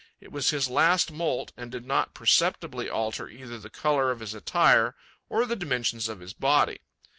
It was his last moult and did not perceptibly alter either the colour of his attire or the dimensions of his body.